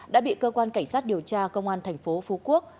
đã bị cơ quan cảnh sát điều tra công an tp phú quốc